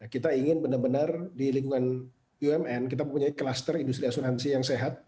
kita ingin benar benar di lingkungan bumn kita mempunyai kluster industri asuransi yang sehat